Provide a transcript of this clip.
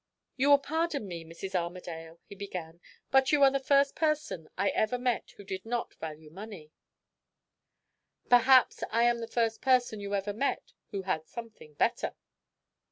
"You will pardon me, Mrs. Armadale," he began, "but you are the first person I ever met who did not value money." "Perhaps I am the first person you ever met who had something better."